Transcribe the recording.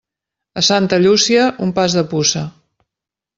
A Santa Llúcia, un pas de puça.